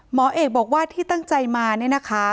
หมอเอกบอกว่าที่ตั้งใจมาเนี่ยนะคะ